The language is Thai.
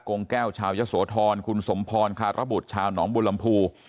โกงแก้วชาวยะโสธรคุณสมพรคาระบุทชาวหนองบูลัมพู